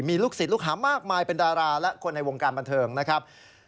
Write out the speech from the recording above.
มีลูกศิษย์ลูกหามากมายเป็นดาราและคนในวงการบันเทิงนะครับ